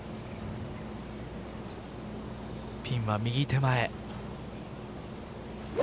ピンは右手前。